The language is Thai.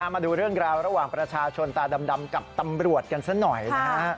มาดูเรื่องราวระหว่างประชาชนตาดำกับตำรวจกันซะหน่อยนะฮะ